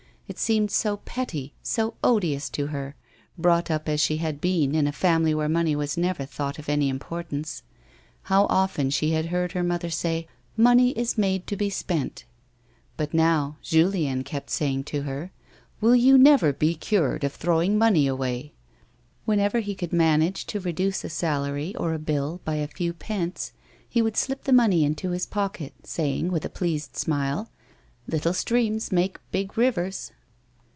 It seemed so petty, so odious to her, brought up as she had been in a family where money was never thought of any importance. How often she had heard her mother say :" Money is made to be spent ;" but now Julien kei)t saying to her :" Will A WOMAN'S LIFE. you never be cured of throwing money away 1 " Whenever he could manage to reduce a salary or a bill by a few pence he would slip the money into his pocket, saying, with a pleased smile, " Little streams make big rivers."